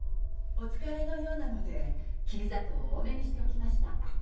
お疲れのようなのでキビ砂糖を多めにしておきました。